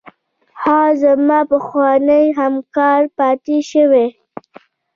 هغه زما پخوانی همکار پاتې شوی.